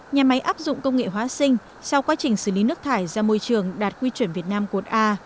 nhà máy áp dụng công nghệ hóa sinh sau quá trình xử lý nước thải ra môi trường đạt quy chuẩn việt nam cột a